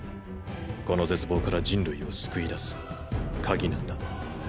この絶望から人類を救い出す「鍵」なんだ。